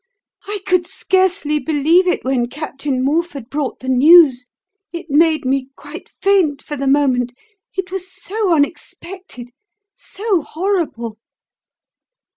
"I could scarcely believe it when Captain Morford brought the news. It made me quite faint for the moment it was so unexpected, so horrible!"